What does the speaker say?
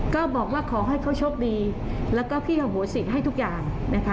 ก็บอกว่าขอให้เขาโชคดีแล้วก็พี่เอาหัวสิทธิ์ให้ทุกอย่าง